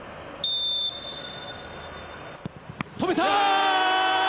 止めた！